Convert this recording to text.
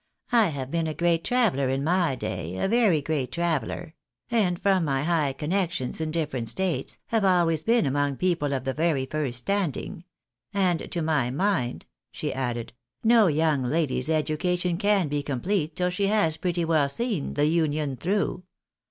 " I have been a great traveller in my day, a PEOPLE OF CONSEQUENCE. 69 very great traveller ; and from my high connections in different States, have always been among people of the very first standing, — and to my mind," she added, "no young lady's education can be complete till she has pretty well seen the Union through.